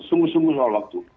sungguh sungguh soal waktu